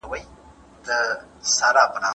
ځيني ميندي او پلرونه خپل زوی ګواښي.